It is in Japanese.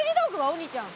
お兄ちゃん。